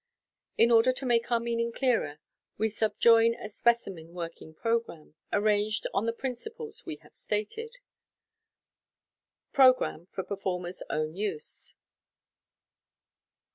In order to make our meaning clearer, we subjoin a speci men working programme, arranged on the principles we have stated, Programmb (for performer s own use).